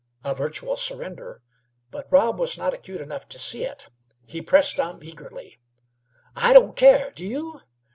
A virtual surrender, but Rob was not acute enough to see it. He pressed on eagerly: "I don't care. Do you?